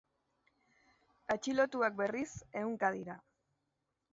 Atxilotuak, berriz, ehunka dira.